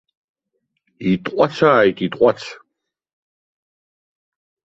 Итҟәацааит, итҟәац!